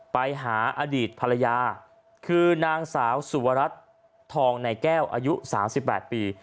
ไปหาอดีตภรรยาคือนางสาวสุวรัตน์ทองในแก้วอายุ๓๘ปี